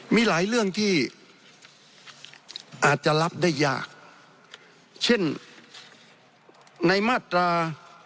มีหลายเรื่องที่อาจจะรับได้ยากเช่นในมาตรา